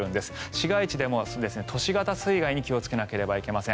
市街地でも都市型水害に気をつけなければいけません。